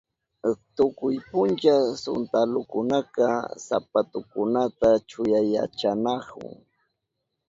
Tukuy puncha suntalukunaka sapatukunata chuyanchanahun.